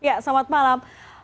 ya selamat malam